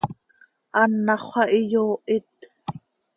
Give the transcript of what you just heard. Anàxö xah iyoohit.